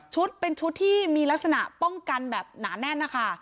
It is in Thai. ชุดเป็นชุดที่มีลักษณะป้องกันแบบหนาแน่นนะคะ